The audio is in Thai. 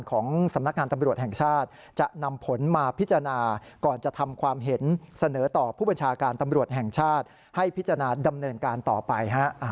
ก็มีความเห็นเสนอต่อผู้บัญชาการตำรวจแห่งชาติให้พิจารณาดำเนินการต่อไปฮะ